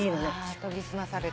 研ぎ澄まされて。